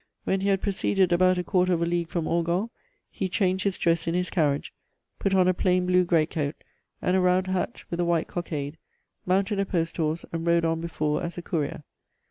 "When he had proceeded about a quarter of a league from Orgon he changed his dress in his carriage, put on a plain blue great coat and a round hat with a white cockade, mounted a post horse, and rode on before as a courier.